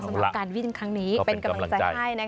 สำหรับการวิ่งครั้งนี้เป็นกำลังใจให้